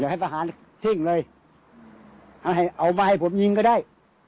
อยากให้ประหารทิ้งเลยเอามาให้ผมยิงก็ได้